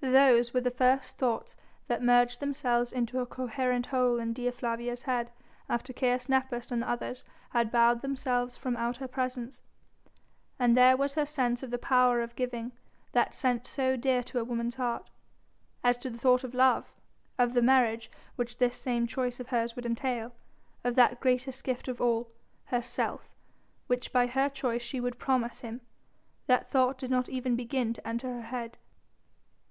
Those were the first thoughts that merged themselves into a coherent whole in Dea Flavia's head after Caius Nepos and the others had bowed themselves from out her presence, and there was her sense of the power of giving, that sense so dear to a woman's heart. As to the thought of love of the marriage which this same choice of hers would entail of that greatest gift of all herself which by her choice she would promise him that thought did not even begin to enter her head.